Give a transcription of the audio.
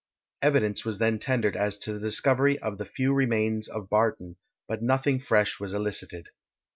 Evidence was then tendered as to the discovery of the few remains of Barton, but nothing fresh was elicited.